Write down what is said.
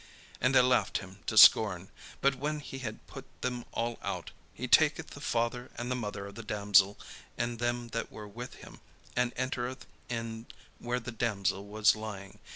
And they laughed him to scorn. But when he had put them all out, he taketh the father and the mother of the damsel, and them that were with him, and entereth in where the damsel was lying.